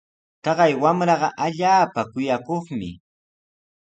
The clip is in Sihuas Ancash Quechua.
Taqay wamraqa allaapa kuyakuqmi.